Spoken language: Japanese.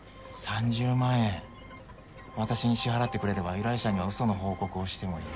３０万円私に支払ってくれれば依頼者にはうその報告をしてもいい。